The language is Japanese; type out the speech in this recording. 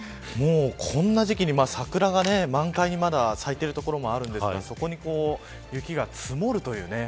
こんな時期に桜が満開に咲いている所もあるんですがそこに雪が積もるという。